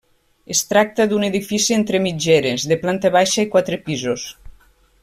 Es tracta d'un edifici entre mitgeres, de planta baixa i quatre pisos.